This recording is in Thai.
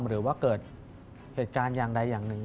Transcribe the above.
หรือว่าเกิดเหตุการณ์อย่างใดอย่างหนึ่ง